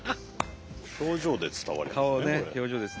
表情で伝わりますねこれ。